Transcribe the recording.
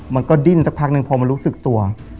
มันก็ดิ้นสักพักหนึ่งพอมันรู้สึกตัว